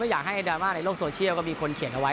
อยากให้ดราม่าในโลกโซเชียลก็มีคนเขียนเอาไว้